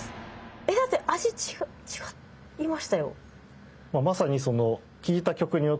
えっだって味違いましたよ。